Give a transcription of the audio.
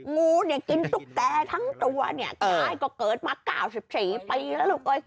งูเนี่ยกินตุ๊กแก่ทั้งตัวเนี่ยยายก็เกิดมา๙๔ปีแล้วลูกเอ้ย